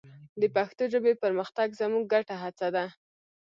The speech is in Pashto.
د پښتو ژبې پرمختګ زموږ ګډه هڅه ده.